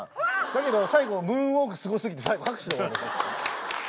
だけど最後ムーンウォークすご過ぎて最後拍手で終わる。